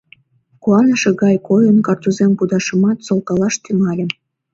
Куаныше гай койын, картузем кудашымат, солкалаш тӱҥальым.